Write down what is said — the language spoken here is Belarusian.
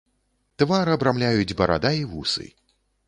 Твар абрамляюць барада і вусы.